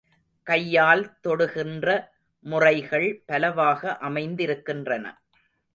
கையால் தொடுகின்ற முறைகள் பலவாக அமைந்திருக்கின்றன.